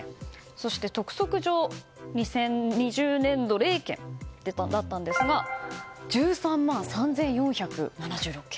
そして、督促状は２０２０年度は０件だったんですが１３万３４７６件。